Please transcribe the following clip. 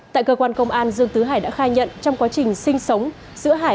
tại cơ quan công an dương tứ hải đã khai nhận trong quá trình sinh sống giữa hải